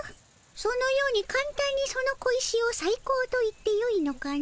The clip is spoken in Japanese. そのようにかんたんにその小石をさい高と言ってよいのかの？